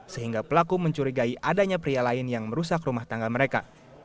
sehingga pelaku mencurigai adanya pria lain yang merusak rumah tangga mereka